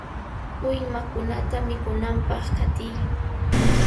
¡Uywakunata mikunanpaq qatiy!